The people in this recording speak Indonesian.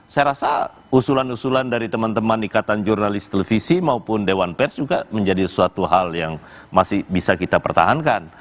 saya rasa usulan usulan dari teman teman ikatan jurnalis televisi maupun dewan pers juga menjadi suatu hal yang masih bisa kita pertahankan